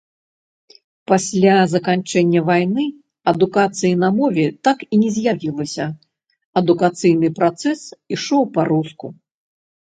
Пасля заканчэння вайны адукацыі на мове так і не з'явілася, адукацыйны працэс ішоў па-руску.